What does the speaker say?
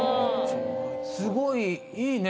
すごいいいね